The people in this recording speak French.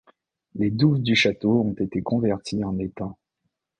Les douves du château ont été converties en étang.